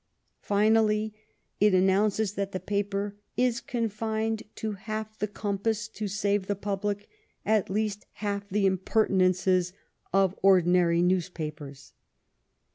Finally it announces that the paper " is confined to half the compass to save the Public at least half the Impertinences, of ordinary News Papers."